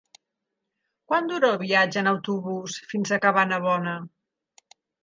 Quant dura el viatge en autobús fins a Cabanabona?